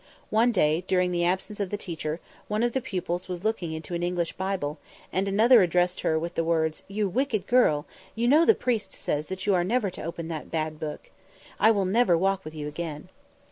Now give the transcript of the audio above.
One day, during the absence of the teacher, one of the pupils was looking into an English Bible, and another addressed her with the words, "You wicked girl, you know the priest says that you are never to open that bad book; I will never walk with you again."